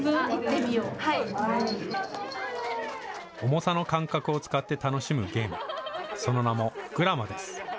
重さの感覚を使って楽しむゲーム、その名もグラマです。